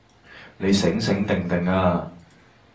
你醒醒定定呀